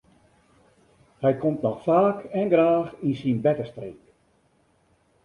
Hy komt noch faak en graach yn syn bertestreek.